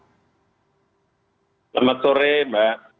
selamat sore mbak